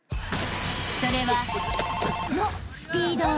［それは］